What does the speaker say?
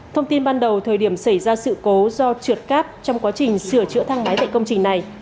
thông tin ban đầu thời điểm xảy ra sự cố do trượt cáp trong quá trình sửa chữa thang máy tại công trình này